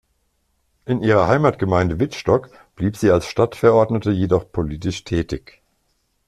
In ihrer Heimatgemeinde Wittstock blieb sie als Stadtverordnete jedoch politisch tätig.